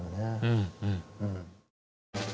うんうん。